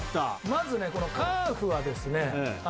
まずねこのＣａｌｆはですね